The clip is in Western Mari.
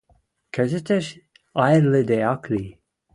Кӹзӹтеш айырлыде ак ли.